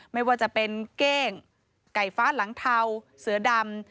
ไม่ว่าจะเป็นเก้งไก่ฟ้าหลังเทาเสือดำ